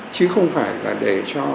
chứ không phải là để cho